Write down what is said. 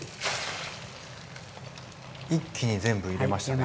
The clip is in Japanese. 一気に全部入れましたね。